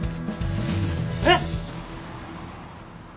えっ！？